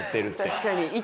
確かに。